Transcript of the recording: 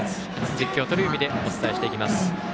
実況、鳥海でお伝えしていきます。